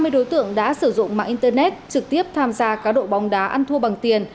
hai mươi đối tượng đã sử dụng mạng internet trực tiếp tham gia cá độ bóng đá ăn thua bằng tiền